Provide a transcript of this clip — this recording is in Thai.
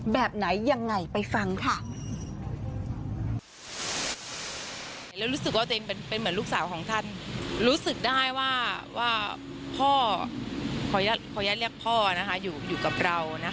แบบไหนยังไงไปฟังค่ะ